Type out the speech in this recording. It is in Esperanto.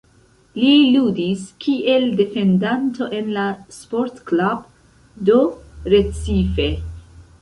Li ludis kiel defendanto en la Sport Club do Recife.